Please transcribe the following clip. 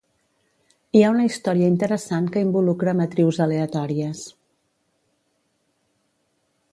Hi ha una història interessant que involucra matrius aleatòries.